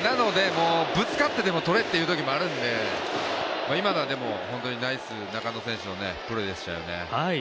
なので、ぶつかってでもとれというときもあるので今のは本当にナイスな、中野選手のプレーですね。